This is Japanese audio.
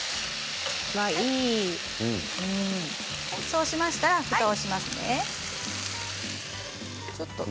そうしましたらふたをしますね。